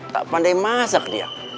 tak pandai masak dia